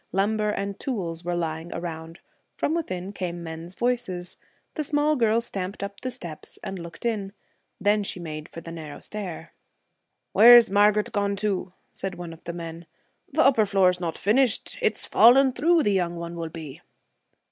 Lumber and tools were lying round; from within came men's voices. The small girl stamped up the steps and looked in. Then she made for the narrow stair. 'Where's Margaret gone to?' said one of the men. 'The upper floor's not finished. It's falling through the young one will be.'